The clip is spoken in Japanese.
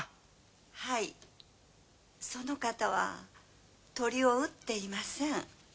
はいその方は鳥を撃っていません。